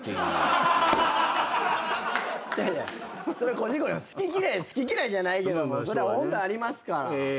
それは個人個人の好き嫌い好き嫌いじゃないけどもそれは温度ありますから。